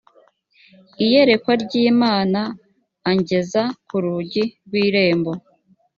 iyerekwa ry imana angeza ku rugi rw irembo